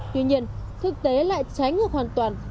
tuy nhiên thực tế lại trái ngược hoàn toàn